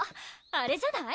あれじゃない？